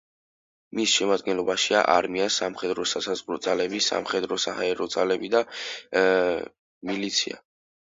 მის შემადგენლობაშია არმია, სამხედრო-საზღვაო ძალები, სამხედრო-საჰაერო ძალები და მილიცია.